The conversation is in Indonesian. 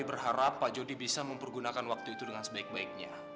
saya berharap pak jody bisa mempergunakan waktu itu dengan sebaik baiknya